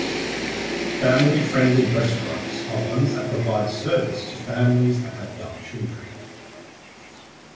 Family friendly restaurants are ones that provide service to families that have young children.